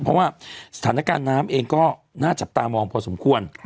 เพราะว่าสถานการณ์น้ำเองก็น่าจับตามองพอสมควร